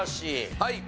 はい。